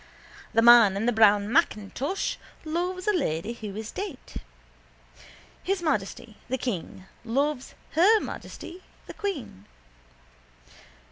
The man in the brown macintosh loves a lady who is dead. His Majesty the King loves Her Majesty the Queen.